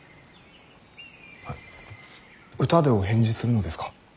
歌でお返事するのですか。